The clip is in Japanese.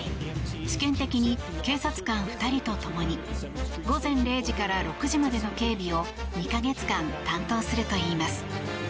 試験的に警察官２人と共に午前０時から６時までの警備を２か月間担当するといいます。